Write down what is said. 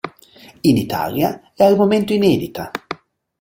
In Italia è al momento inedita.